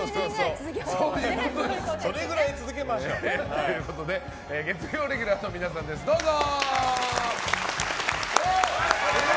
３０年ぐらい続けましょうね。ということで月曜レギュラーの皆さん、どうぞ！